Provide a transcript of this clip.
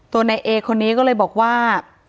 ในเอคนนี้ก็เลยบอกว่า